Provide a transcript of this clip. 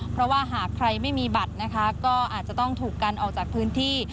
เพราะว่าหากใครไม่มีบัตรนะคะก็อาจจะต้องถูกกันออกจากพื้นที่